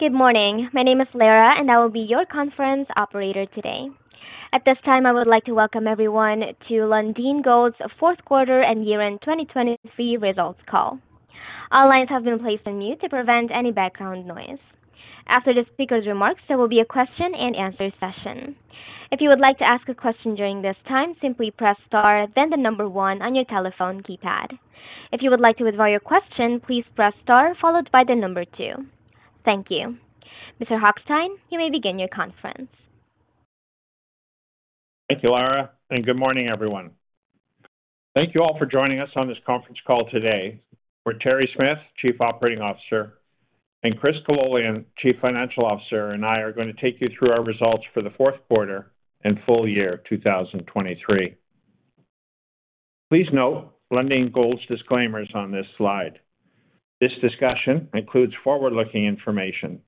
Good morning. My name is Lara, and I will be your conference operator today. At this time, I would like to welcome everyone to Lundin Gold's 4th quarter and year-end 2023 results call. All lines have been placed on mute to prevent any background noise. After the speaker's remarks, there will be a question-and-answer session. If you would like to ask a question during this time, simply press star then the number one on your telephone keypad. If you would like to withdraw your question, please press star followed by the number two. Thank you. Mr. Hochstein, you may begin your conference. Thank you, Lara, and good morning, everyone. Thank you all for joining us on this conference call today, where Terry Smith, Chief Operating Officer, and Chris Kololian, Chief Financial Officer, and I are going to take you through our results for the 4th quarter and full year 2023. Please note Lundin Gold's disclaimers on this slide. This discussion includes forward-looking information.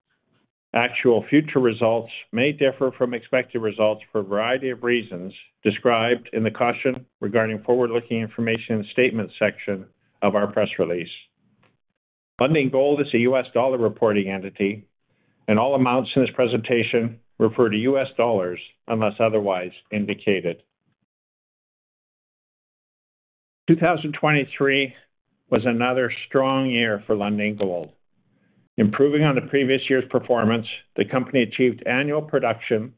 Actual future results may differ from expected results for a variety of reasons described in the caution regarding forward-looking information and statements section of our press release. Lundin Gold is a U.S. dollar reporting entity, and all amounts in this presentation refer to U.S. dollars unless otherwise indicated. 2023 was another strong year for Lundin Gold. Improving on the previous year's performance, the company achieved annual production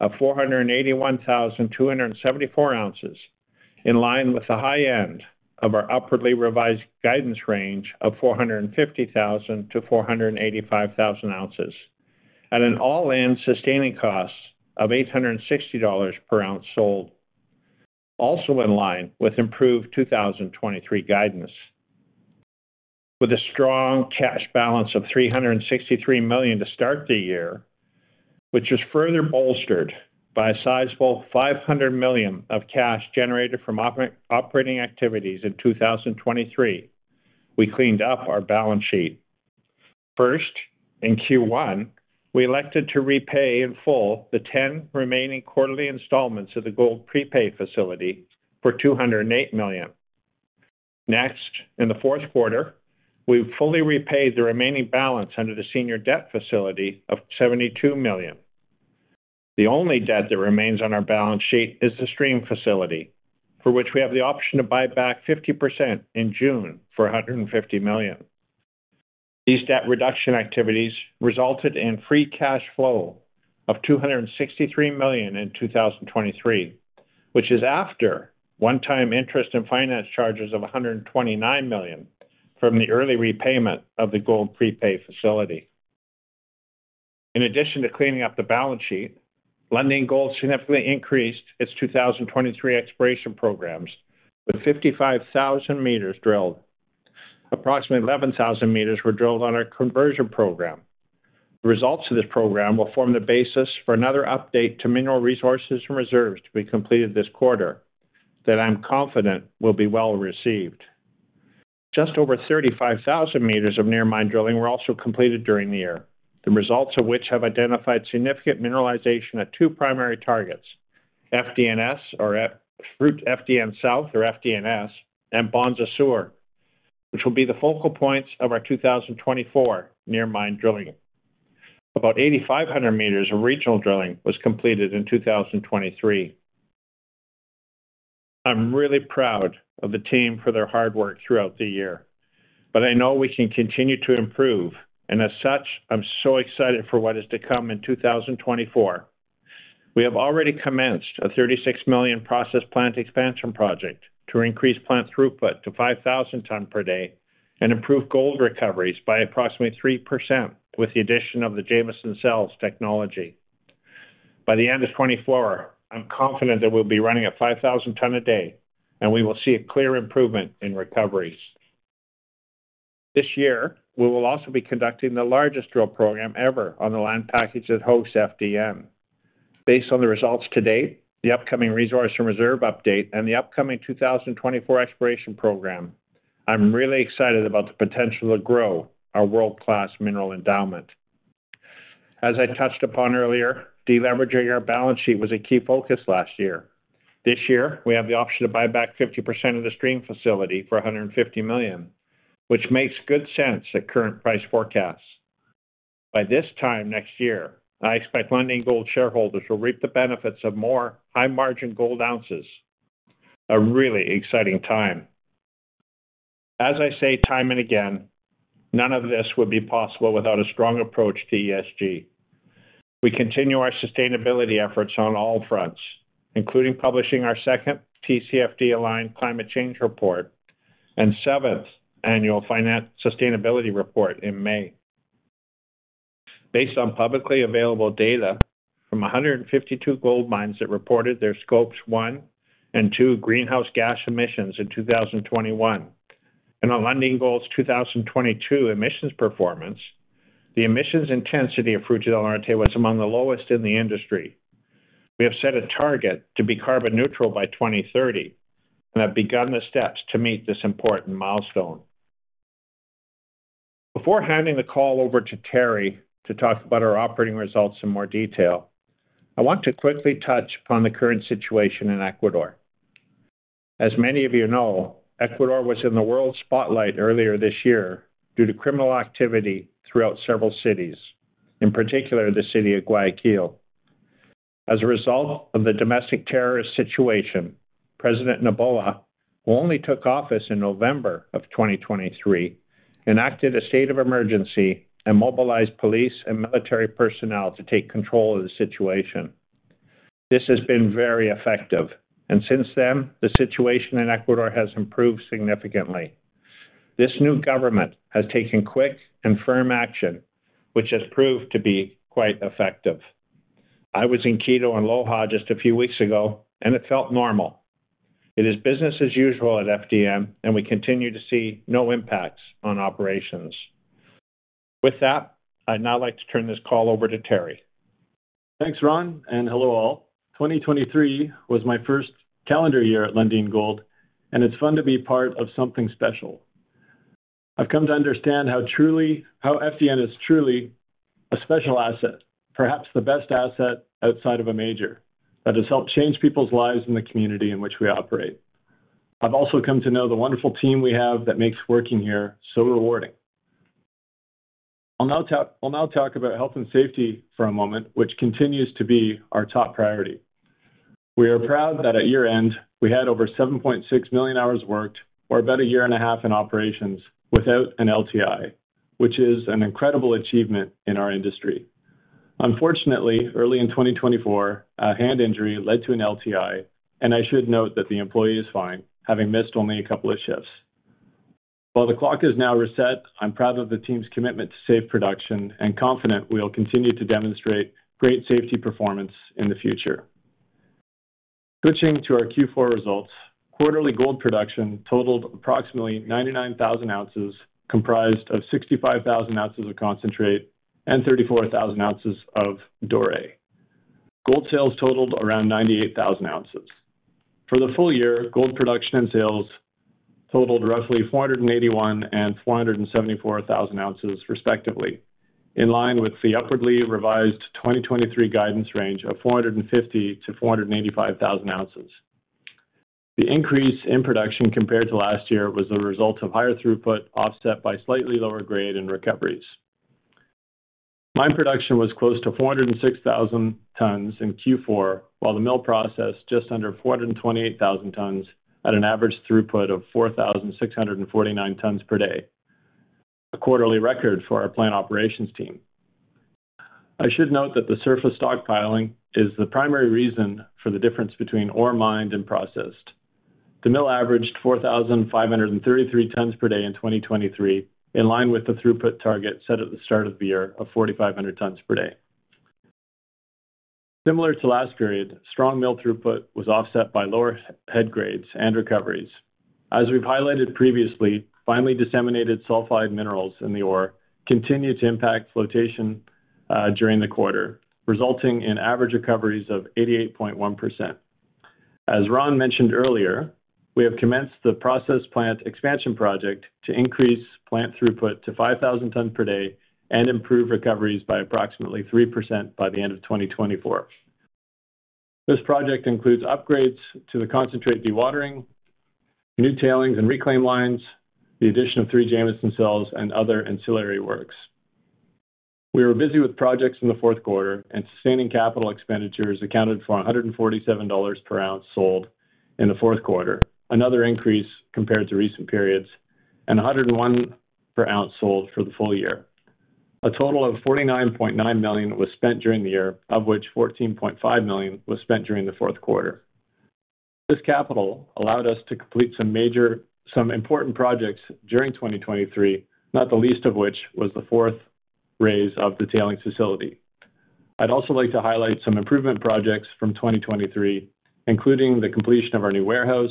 of 481,274 ounces, in line with the high end of our upwardly revised guidance range of 450,000-485,000 ounces, at an all-in sustaining cost of $860 per ounce sold, also in line with improved 2023 guidance. With a strong cash balance of $363 million to start the year, which was further bolstered by a sizable $500 million of cash generated from operating activities in 2023, we cleaned up our balance sheet. First, in Q1, we elected to repay in full the 10 remaining quarterly installments of the Gold Prepay Facility for $208 million. Next, in the 4th quarter, we fully repaid the remaining balance under the Senior Debt Facility of $72 million. The only debt that remains on our balance sheet is the Stream Facility, for which we have the option to buy back 50% in June for $150 million. These debt reduction activities resulted in Free Cash Flow of $263 million in 2023, which is after one-time interest and finance charges of $129 million from the early repayment of the Gold Prepay Facility. In addition to cleaning up the balance sheet, Lundin Gold significantly increased its 2023 exploration programs with 55,000 m drilled. Approximately 11,000 m were drilled on our conversion program. The results of this program will form the basis for another update to mineral resources and reserves to be completed this quarter, that I'm confident will be well received. Just over 35,000 m of near-mine drilling were also completed during the year, the results of which have identified significant mineralization at two primary targets: FDNS or Fruta del Norte South or FDNS, and Bonza Sur, which will be the focal points of our 2024 near-mine drilling. About 8,500 m of regional drilling was completed in 2023. I'm really proud of the team for their hard work throughout the year, but I know we can continue to improve, and as such, I'm so excited for what is to come in 2024. We have already commenced a $36 million process plant expansion project to increase plant throughput to 5,000 tons per day and improve gold recoveries by approximately 3% with the addition of the Jameson Cell technology. By the end of 2024, I'm confident that we'll be running at 5,000 tons a day, and we will see a clear improvement in recoveries. This year, we will also be conducting the largest drill program ever on the land package that hosts FDN. Based on the results to date, the upcoming resource and reserve update, and the upcoming 2024 exploration program, I'm really excited about the potential to grow our world-class mineral endowment. As I touched upon earlier, deleveraging our balance sheet was a key focus last year. This year, we have the option to buy back 50% of the Stream Facility for $150 million, which makes good sense at current price forecasts. By this time next year, I expect Lundin Gold shareholders will reap the benefits of more high-margin gold ounces. A really exciting time. As I say time and again, none of this would be possible without a strong approach to ESG. We continue our sustainability efforts on all fronts, including publishing our second TCFD-aligned climate change report and seventh annual finance sustainability report in May. Based on publicly available data from 152 gold mines that reported their Scope 1 and Scope 2 greenhouse gas emissions in 2021 and on Lundin Gold's 2022 emissions performance, the emissions intensity of Fruta del Norte was among the lowest in the industry. We have set a target to be carbon neutral by 2030 and have begun the steps to meet this important milestone. Before handing the call over to Terry to talk about our operating results in more detail, I want to quickly touch upon the current situation in Ecuador. As many of you know, Ecuador was in the world spotlight earlier this year due to criminal activity throughout several cities, in particular the city of Guayaquil. As a result of the domestic terrorist situation, President Noboa who only took office in November of 2023 enacted a state of emergency and mobilized police and military personnel to take control of the situation. This has been very effective, and since then, the situation in Ecuador has improved significantly. This new government has taken quick and firm action, which has proved to be quite effective. I was in Quito and Loja just a few weeks ago, and it felt normal. It is business as usual at FDN, and we continue to see no impacts on operations. With that, I'd now like to turn this call over to Terry. Thanks, Ron, and hello all. 2023 was my first calendar year at Lundin Gold, and it's fun to be part of something special. I've come to understand how truly FDN is truly a special asset, perhaps the best asset outside of a major, that has helped change people's lives in the community in which we operate. I've also come to know the wonderful team we have that makes working here so rewarding. I'll now talk about health and safety for a moment, which continues to be our top priority. We are proud that at year-end, we had over 7.6 million hours worked, or about a year and a half, in operations without an LTI, which is an incredible achievement in our industry. Unfortunately, early in 2024, a hand injury led to an LTI, and I should note that the employee is fine, having missed only a couple of shifts. While the clock is now reset, I'm proud of the team's commitment to safe production and confident we'll continue to demonstrate great safety performance in the future. Switching to our Q4 results, quarterly gold production totaled approximately 99,000 ounces, comprised of 65,000 ounces of concentrate and 34,000 ounces of doré. Gold sales totaled around 98,000 ounces. For the full year, gold production and sales totaled roughly 481,000 and 474,000 ounces, respectively, in line with the upwardly revised 2023 guidance range of 450,000-485,000 ounces. The increase in production compared to last year was the result of higher throughput offset by slightly lower grade and recoveries. Mine production was close to 406,000 tons in Q4, while the mill processed just under 428,000 tons at an average throughput of 4,649 tons per day, a quarterly record for our plant operations team. I should note that the surface stockpiling is the primary reason for the difference between ore mined and processed. The mill averaged 4,533 tons per day in 2023, in line with the throughput target set at the start of the year of 4,500 tons per day. Similar to last period, strong mill throughput was offset by lower head grades and recoveries. As we've highlighted previously, finely disseminated sulfide minerals in the ore continue to impact flotation during the quarter, resulting in average recoveries of 88.1%. As Ron mentioned earlier, we have commenced the process plant expansion project to increase plant throughput to 5,000 tons per day and improve recoveries by approximately 3% by the end of 2024. This project includes upgrades to the concentrate dewatering, new tailings and reclaim lines, the addition of three Jameson cells, and other ancillary works. We were busy with projects in the 4th quarter, and sustaining capital expenditures accounted for $147 per ounce sold in the 4th quarter, another increase compared to recent periods, and $101 per ounce sold for the full year. A total of $49.9 million was spent during the year, of which $14.5 million was spent during the 4th quarter. This capital allowed us to complete some major important projects during 2023, not the least of which was the 4th raise of the tailings facility. I'd also like to highlight some improvement projects from 2023, including the completion of our new warehouse,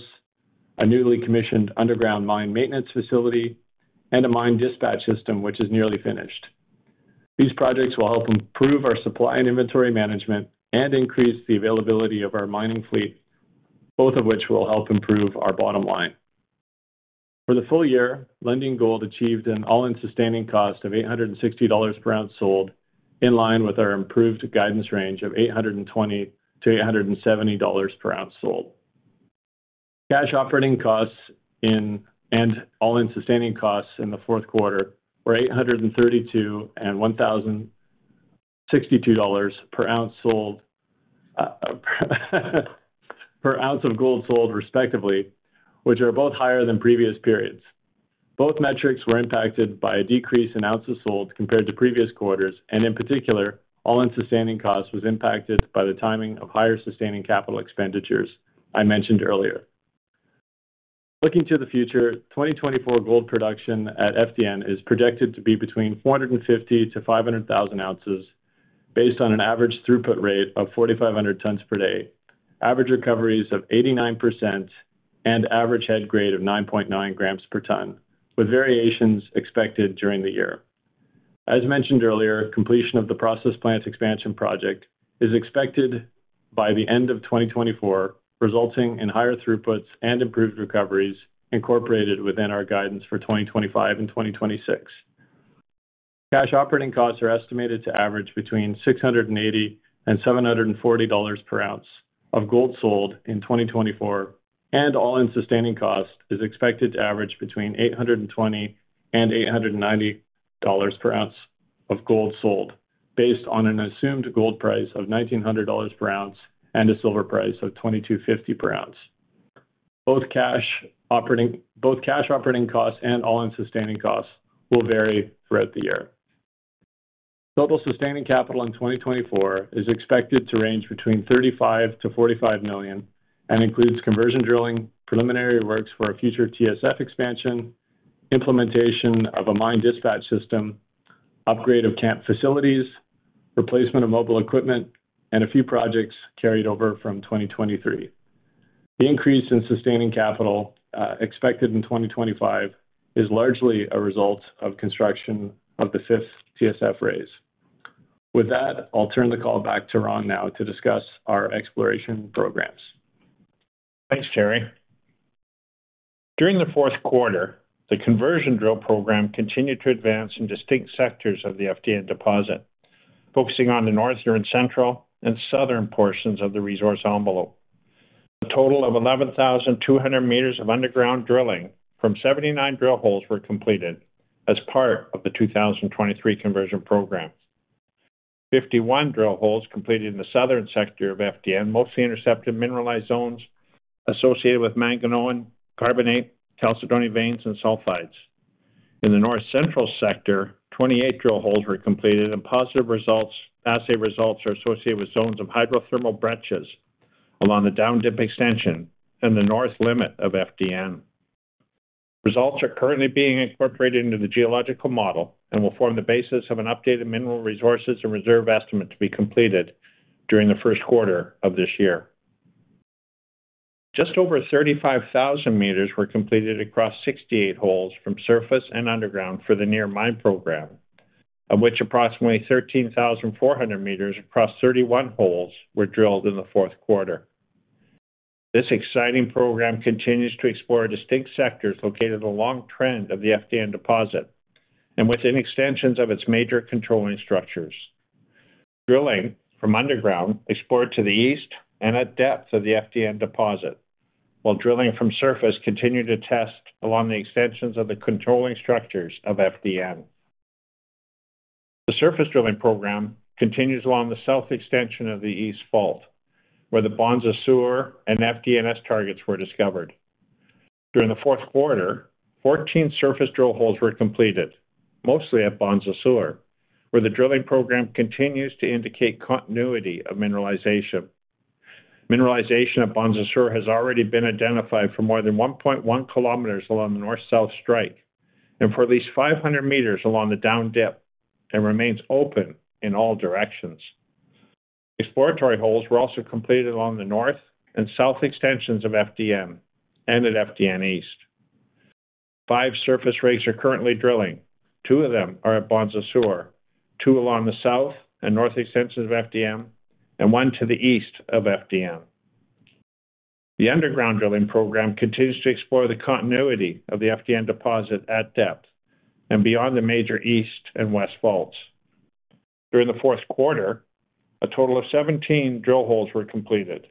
a newly commissioned underground mine maintenance facility, and a mine dispatch system which is nearly finished. These projects will help improve our supply and inventory management and increase the availability of our mining fleet, both of which will help improve our bottom line. For the full year, Lundin Gold achieved an All-in Sustaining Cost of $860 per ounce sold, in line with our improved guidance range of $820-$870 per ounce sold. Cash operating costs in and All-in Sustaining Costs in the 4th quarter were $832 and $1,062 per ounce sold per ounce of gold sold, respectively, which are both higher than previous periods. Both metrics were impacted by a decrease in ounces sold compared to previous quarters, and in particular, All-In Sustaining Costs was impacted by the timing of higher sustaining capital expenditures I mentioned earlier. Looking to the future, 2024 gold production at FDN is projected to be between 450,000-500,000 ounces, based on an average throughput rate of 4,500 tons per day, average recoveries of 89%, and average head grade of 9.9 grams per ton, with variations expected during the year. As mentioned earlier, completion of the process plant expansion project is expected by the end of 2024, resulting in higher throughputs and improved recoveries incorporated within our guidance for 2025 and 2026. Cash operating costs are estimated to average between $680-$740 per ounce of gold sold in 2024, and All-in Sustaining Costs is expected to average between $820-$890 per ounce of gold sold, based on an assumed gold price of $1,900 per ounce and a silver price of $2,250 per ounce. Both cash operating costs and All-in Sustaining Costs will vary throughout the year. Total sustaining capital in 2024 is expected to range between $35-$45 million and includes conversion drilling, preliminary works for a future TSF expansion, implementation of a mine dispatch system, upgrade of camp facilities, replacement of mobile equipment, and a few projects carried over from 2023. The increase in sustaining capital expected in 2025 is largely a result of construction of the fifth TSF raise. With that, I'll turn the call back to Ron now to discuss our exploration programs. Thanks, Terry. During the 4th quarter, the conversion drill program continued to advance in distinct sectors of the FDN deposit, focusing on the northern, central, and southern portions of the resource envelope. A total of 11,200 m of underground drilling from 79 drill holes were completed as part of the 2023 conversion program. 51 drill holes completed in the southern sector of FDN mostly intercepted mineralized zones associated with manganoan carbonate, chalcedonic veins, and sulfides. In the north-central sector, 28 drill holes were completed and positive assay results are associated with zones of hydrothermal breccias along the down-dip extension and the north limit of FDN. Results are currently being incorporated into the geological model and will form the basis of an updated mineral resources and reserve estimate to be completed during the first quarter of this year. Just over 35,000 m were completed across 68 holes from surface and underground for the near-mine program, of which approximately 13,400 m across 31 holes were drilled in the fourth quarter. This exciting program continues to explore distinct sectors located along trend of the FDN deposit and within extensions of its major controlling structures. Drilling from underground explored to the east and at depth of the FDN deposit, while drilling from surface continued to test along the extensions of the controlling structures of FDN. The surface drilling program continues along the south extension of the East Fault, where the Bonza Sur and FDNS targets were discovered. During the fourth quarter, 14 surface drill holes were completed, mostly at Bonza Sur, where the drilling program continues to indicate continuity of mineralization. Mineralization at Bonza Sur has already been identified for more than 1.1 km along the north-south strike and for at least 500 m along the down dip and remains open in all directions. Exploration holes were also completed along the north and south extensions of FDN and at FDN East. Five surface rigs are currently drilling, two of them are at Bonza Sur, two along the south and north extensions of FDN, and one to the east of FDN. The underground drilling program continues to explore the continuity of the FDN deposit at depth and beyond the major East and West Faults. During the fourth quarter, a total of 17 drill holes were completed.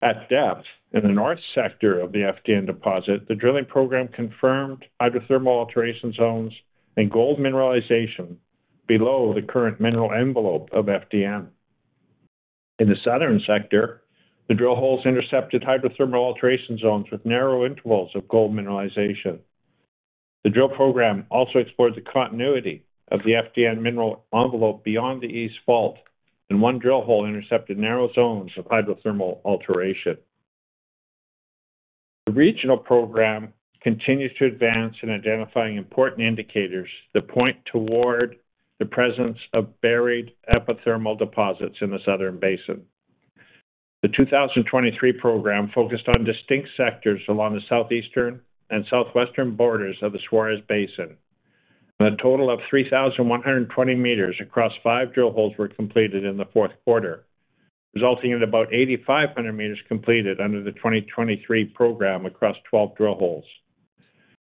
At depth in the north sector of the FDN deposit, the drilling program confirmed hydrothermal alteration zones and gold mineralization below the current mineral envelope of FDN. In the southern sector, the drill holes intercepted hydrothermal alteration zones with narrow intervals of gold mineralization. The drill program also explored the continuity of the FDN mineral envelope beyond the East Fault, and one drill hole intercepted narrow zones of hydrothermal alteration. The regional program continues to advance in identifying important indicators that point toward the presence of buried epithermal deposits in the southern basin. The 2023 program focused on distinct sectors along the southeastern and southwestern borders of the Suarez Basin, and a total of 3,120 m across five drill holes were completed in the fourth quarter, resulting in about 8,500 m completed under the 2023 program across 12 drill holes.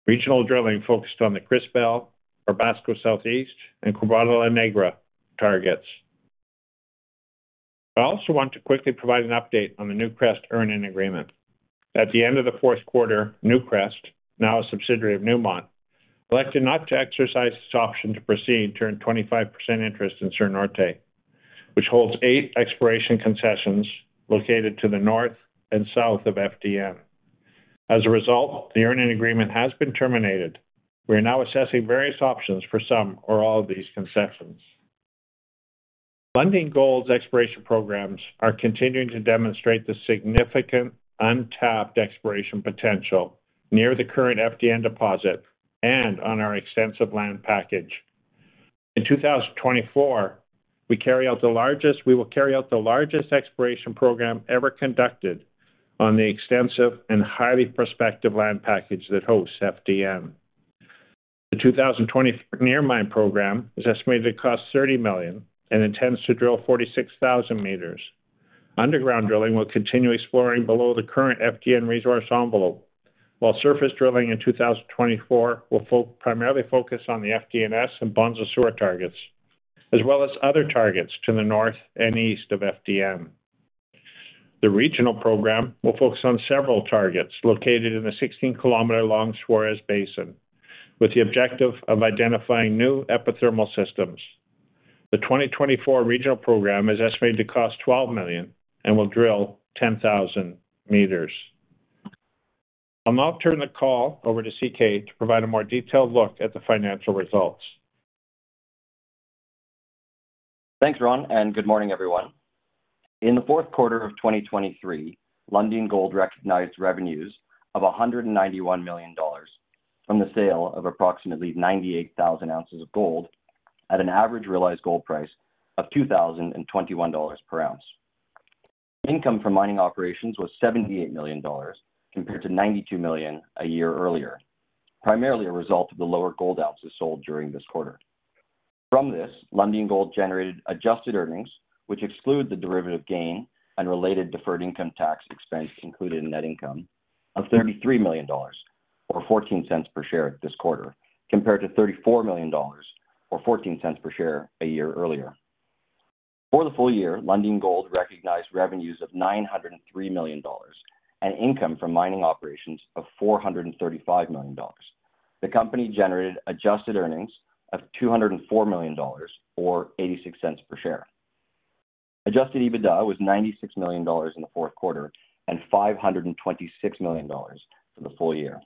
Regional drilling focused on the Crisbel, Barbasco Southeast, and Carmela targets. I also want to quickly provide an update on the Newcrest earn-in agreement. At the end of the fourth quarter, Newcrest, now a subsidiary of Newmont, elected not to exercise this option to proceed to earn 25% interest in Surnorte, which holds eight exploration concessions located to the north and south of FDN. As a result, the earn-in agreement has been terminated. We are now assessing various options for some or all of these concessions. Lundin Gold's exploration programs are continuing to demonstrate the significant untapped exploration potential near the current FDN deposit and on our extensive land package. In 2024, we will carry out the largest exploration program ever conducted on the extensive and highly prospective land package that hosts FDN. The 2024 near-mine program is estimated to cost $30 million and intends to drill 46,000 m. Underground drilling will continue exploring below the current FDN resource envelope, while surface drilling in 2024 will primarily focus on the FDNS and Bonza Sur targets, as well as other targets to the north and east of FDN. The regional program will focus on several targets located in the 16-km-long Suarez Basin, with the objective of identifying new epithermal systems. The 2024 regional program is estimated to cost $12 million and will drill 10,000 m. I'll now turn the call over to C.K. to provide a more detailed look at the financial results. Thanks, Ron, and good morning, everyone. In the fourth quarter of 2023, Lundin Gold recognized revenues of $191 million from the sale of approximately 98,000 ounces of gold at an average realized gold price of $2,021 per ounce. Income from mining operations was $78 million compared to $92 million a year earlier, primarily a result of the lower gold ounces sold during this quarter. From this, Lundin Gold generated Adjusted Earnings, which exclude the derivative gain and related deferred income tax expense included in net income, of $33 million or $0.14 per share this quarter, compared to $34 million or $0.14 per share a year earlier. For the full year, Lundin Gold recognized revenues of $903 million and income from mining operations of $435 million. The company generated adjusted earnings of $204 million or $0.86 per share. Adjusted EBITDA was $96 million in the fourth quarter and $526 million for the full year.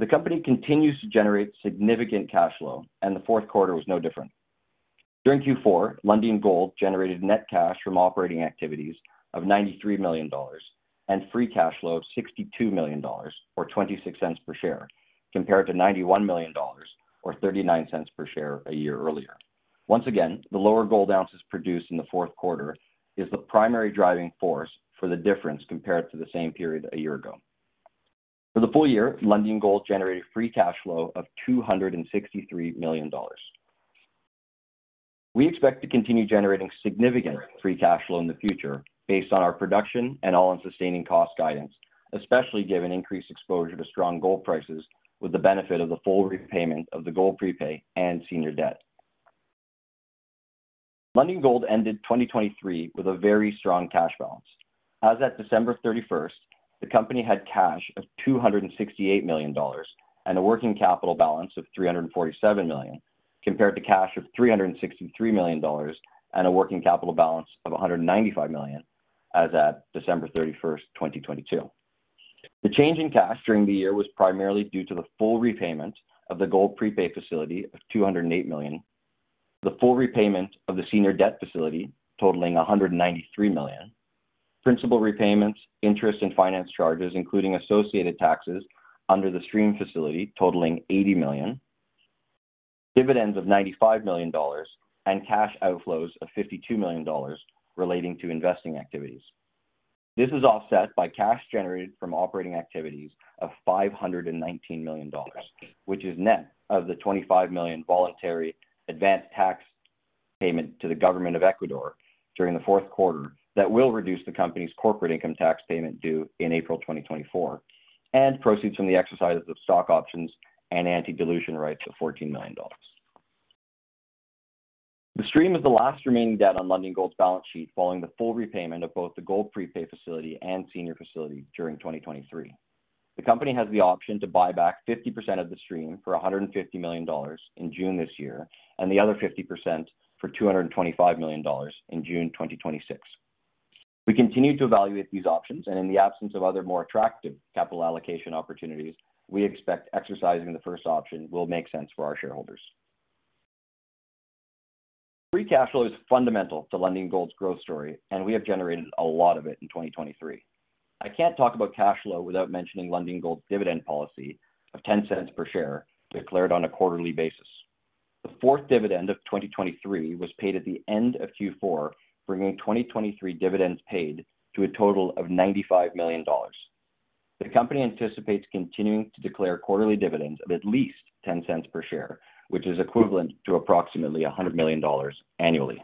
The company continues to generate significant cash flow, and the fourth quarter was no different. During Q4, Lundin Gold generated net cash from operating activities of $93 million and free cash flow of $62 million or $0.26 per share, compared to $91 million or $0.39 per share a year earlier. Once again, the lower gold ounces produced in the fourth quarter is the primary driving force for the difference compared to the same period a year ago. For the full year, Lundin Gold generated free cash flow of $263 million. We expect to continue generating significant free cash flow in the future based on our production and all-in sustaining cost guidance, especially given increased exposure to strong gold prices with the benefit of the full repayment of the gold prepay and senior debt. Lundin Gold ended 2023 with a very strong cash balance. As at December 31, the company had cash of $268 million and a working capital balance of $347 million, compared to cash of $363 million and a working capital balance of $195 million, as at December 31, 2022. The change in cash during the year was primarily due to the full repayment of the Gold Prepay Facility of $208 million, the full repayment of the Senior Debt Facility totaling $193 million, principal repayments, interest and finance charges including associated taxes under the Stream Facility totaling $80 million, dividends of $95 million, and cash outflows of $52 million relating to investing activities. This is offset by cash generated from operating activities of $519 million, which is net of the $25 million voluntary advance tax payment to the government of Ecuador during the fourth quarter that will reduce the company's corporate income tax payment due in April 2024, and proceeds from the exercises of stock options and anti-dilution rights of $14 million. The Stream is the last remaining debt on Lundin Gold's balance sheet following the full repayment of both the Gold Prepay Facility and Senior Facility during 2023. The company has the option to buy back 50% of the stream for $150 million in June this year and the other 50% for $225 million in June 2026. We continue to evaluate these options, and in the absence of other more attractive capital allocation opportunities, we expect exercising the first option will make sense for our shareholders. Free cash flow is fundamental to Lundin Gold's growth story, and we have generated a lot of it in 2023. I can't talk about cash flow without mentioning Lundin Gold's dividend policy of $0.10 per share declared on a quarterly basis. The fourth dividend of 2023 was paid at the end of Q4, bringing 2023 dividends paid to a total of $95 million. The company anticipates continuing to declare quarterly dividends of at least $0.10 per share, which is equivalent to approximately $100 million annually.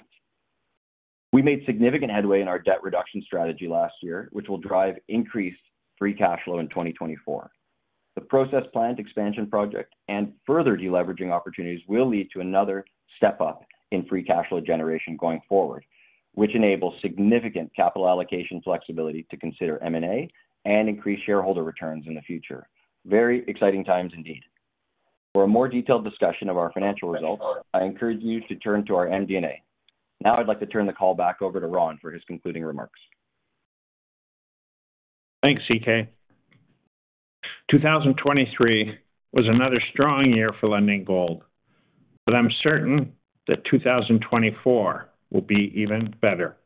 We made significant headway in our debt reduction strategy last year, which will drive increased free cash flow in 2024. The process plant expansion project and further deleveraging opportunities will lead to another step up in free cash flow generation going forward, which enables significant capital allocation flexibility to consider M&A and increased shareholder returns in the future. Very exciting times indeed. For a more detailed discussion of our financial results, I encourage you to turn to our MD&A. Now I'd like to turn the call back over to Ron for his concluding remarks. Thanks, C.K. 2023 was another strong year for Lundin Gold, but I'm certain that 2024 will be even better.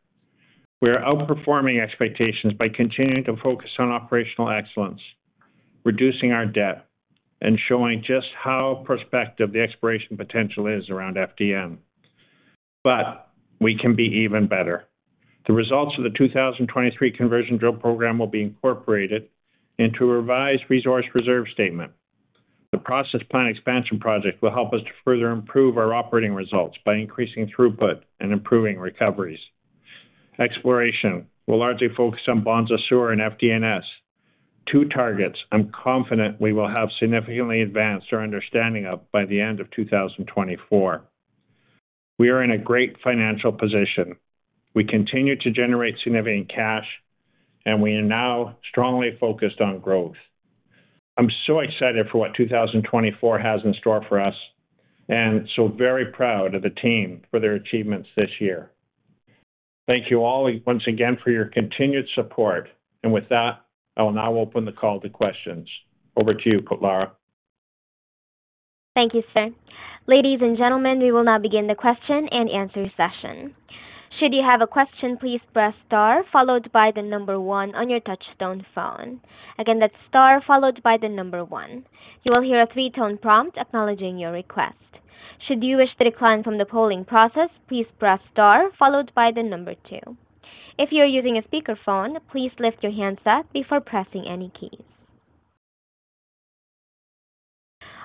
We are outperforming expectations by continuing to focus on operational excellence, reducing our debt, and showing just how prospective the exploration potential is around FDN. But we can be even better. The results of the 2023 conversion drill program will be incorporated into a revised resource reserve statement. The process plant expansion project will help us to further improve our operating results by increasing throughput and improving recoveries. Exploration will largely focus on Bonza Sur and FDNS, two targets I'm confident we will have significantly advanced our understanding of by the end of 2024. We are in a great financial position. We continue to generate significant cash, and we are now strongly focused on growth. I'm so excited for what 2024 has in store for us and so very proud of the team for their achievements this year. Thank you all once again for your continued support, and with that, I will now open the call to questions. Over to you, Lara. Thank you, sir. Ladies and gentlemen, we will now begin the question and answer session. Should you have a question, please press star followed by the number one on your touch-tone phone. Again, that's star followed by the number one. You will hear a three-tone prompt acknowledging your request. Should you wish to decline from the polling process, please press star followed by the number two. If you are using a speakerphone, please lift your handset before pressing any keys.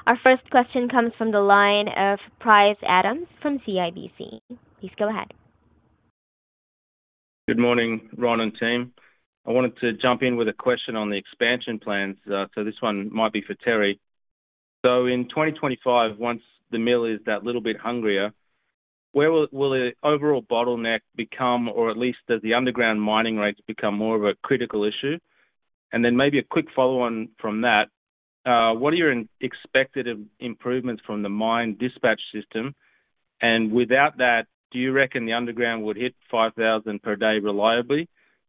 Our first question comes from the line of Bryce Adams from CIBC. Please go ahead. Good morning, Ron and team. I wanted to jump in with a question on the expansion plans, so this one might be for Terry. In 2025, once the mill is that little bit hungrier, where will the overall bottleneck become, or at least does the underground mining rates become more of a critical issue? And then maybe a quick follow-on from that: what are your expected improvements from the mine dispatch system, and without that, do you reckon the underground would hit 5,000 per day reliably?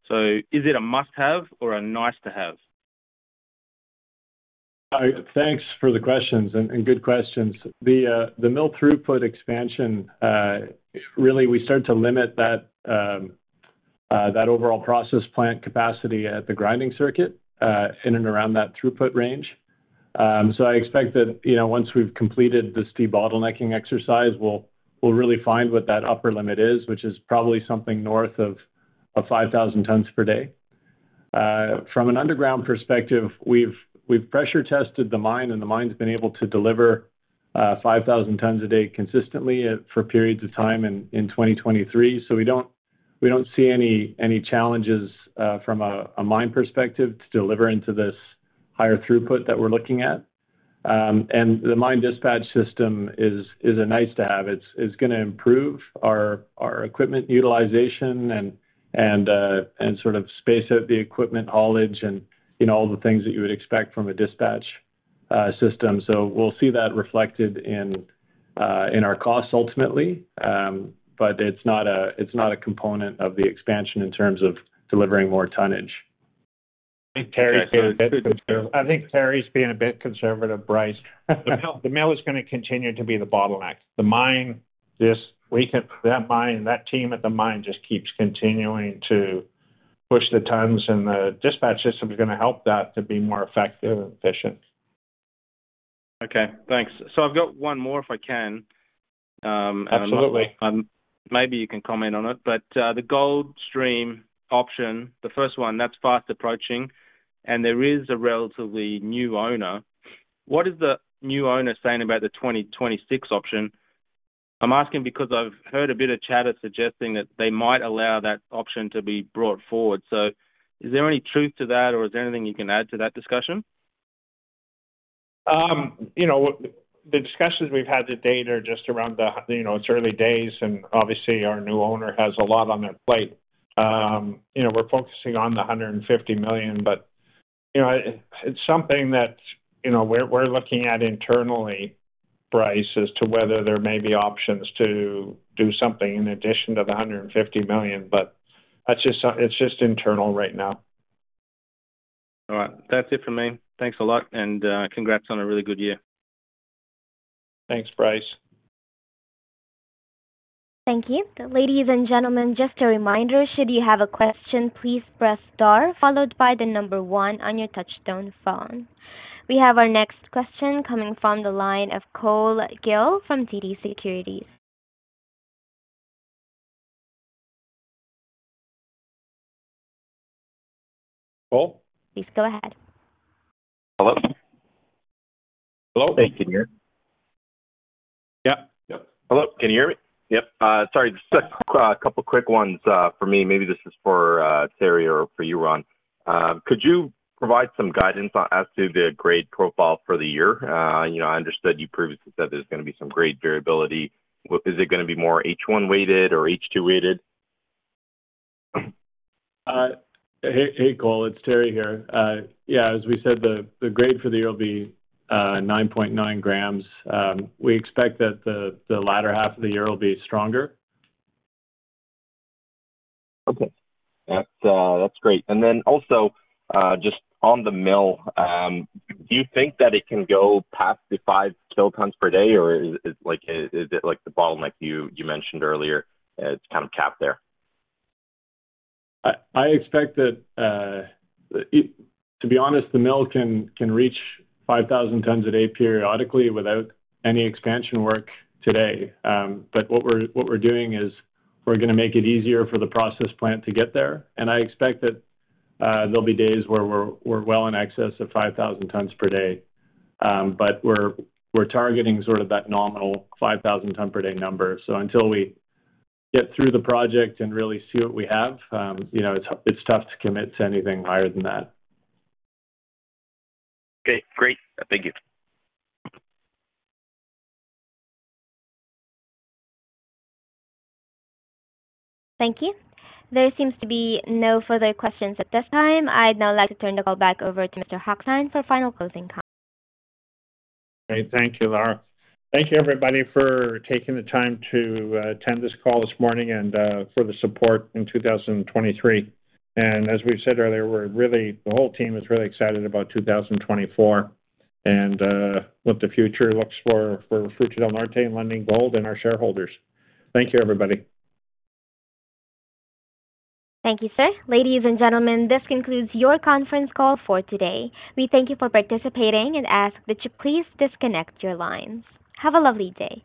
So is it a must-have or a nice-to-have? Thanks for the questions and good questions. The mill throughput expansion, really, we start to limit that overall process plant capacity at the grinding circuit in and around that throughput range. So I expect that once we've completed the debottlenecking exercise, we'll really find what that upper limit is, which is probably something north of 5,000 tons per day. From an underground perspective, we've pressure tested the mine, and the mine's been able to deliver 5,000 tons a day consistently for periods of time in 2023, so we don't see any challenges from a mine perspective to deliver into this higher throughput that we're looking at. And the mine dispatch system is a nice-to-have. It's going to improve our equipment utilization and sort of space out the equipment haulage and all the things that you would expect from a dispatch system. We'll see that reflected in our costs ultimately, but it's not a component of the expansion in terms of delivering more tonnage. I think Terry's being a bit conservative, Bryce. The mill is going to continue to be the bottleneck. The mine, that team at the mine just keeps continuing to push the tons, and the dispatch system's going to help that to be more effective and efficient. Okay, thanks. So I've got one more if I can. Absolutely. Maybe you can comment on it. But the gold stream option, the first one, that's fast approaching, and there is a relatively new owner. What is the new owner saying about the 2026 option? I'm asking because I've heard a bit of chatter suggesting that they might allow that option to be brought forward. So is there any truth to that, or is there anything you can add to that discussion? The discussions we've had to date are just around, it's early days, and obviously our new owner has a lot on their plate. We're focusing on the $150 million. But it's something that we're looking at internally, Bryce, as to whether there may be options to do something in addition to the $150 million, but it's just internal right now. All right. That's it from me. Thanks a lot, and congrats on a really good year. Thanks, Bryce. Thank you. Ladies and gentlemen, just a reminder: should you have a question, please press star, followed by the number one on your touch-tone phone. We have our next question coming from the line of Cole McGill from TD Securities. Cole? Please go ahead. Hello? Hello? Hey, can you hear me? Yep. Yep. Hello. Can you hear me? Yep. Sorry, just a couple quick ones for me. Maybe this is for Terry or for you, Ron. Could you provide some guidance as to the grade profile for the year? I understood you previously said there's going to be some grade variability. Is it going to be more H1-weighted or H2-weighted? Hey, Cole. It's Terry here. Yeah, as we said, the grade for the year will be 9.9 grams. We expect that the latter half of the year will be stronger. Okay. That's great. And then also just on the mill, do you think that it can go past the 5 KT per day, or is it the bottleneck you mentioned earlier? It's kind of capped there. I expect that, to be honest, the mill can reach 5,000 tons a day periodically without any expansion work today. But what we're doing is we're going to make it easier for the process plant to get there, and I expect that there'll be days where we're well in excess of 5,000 tons per day. But we're targeting sort of that nominal 5,000 ton per day number. So until we get through the project and really see what we have, it's tough to commit to anything higher than that. Okay. Great. Thank you. Thank you. There seems to be no further questions at this time. I'd now like to turn the call back over to Mr. Hochstein for final closing. Great. Thank you, Lara. Thank you, everybody, for taking the time to attend this call this morning and for the support in 2023. As we've said earlier, the whole team is really excited about 2024 and what the future looks for Fruta del Norte and Lundin Gold and our shareholders. Thank you, everybody. Thank you, sir. Ladies and gentlemen, this concludes your conference call for today. We thank you for participating and ask that you please disconnect your lines. Have a lovely day.